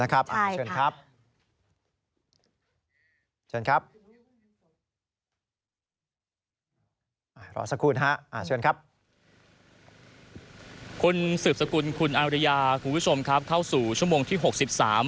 คุณสึฟสกุลคุณออนุญาคุณผู้ชมครับเท่าสู่ชั่วโมงที่๖๐ติป